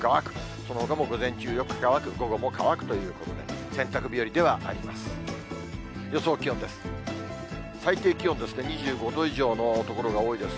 そのほかも午前中よく乾く、午後も乾くということで、洗濯日和ではあります。